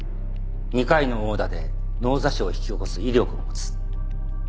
２回の殴打で脳挫傷を引き起こす威力を持つ。